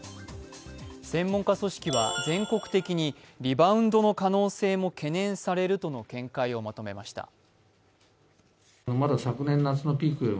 専門家組織は全国的にリバウンドの可能性も懸念されるとの見解をまとめました。